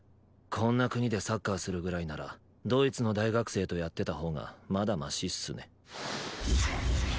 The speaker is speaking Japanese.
こんな国でサッカーするぐらいならドイツの大学生とやってたほうがまだマシっすね。